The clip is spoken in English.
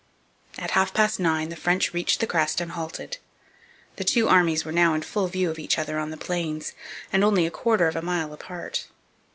At half past nine the French reached the crest and halted. The two armies were now in full view of each other on the Plains and only a quarter of a mile apart.